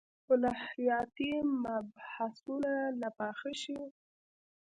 الهیاتي مبحثونه لا پاخه شي.